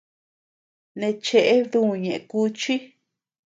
Nee cheʼe dü ñëʼe kuchii.